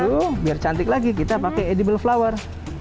aduh biar cantik lagi kita pakai edible flower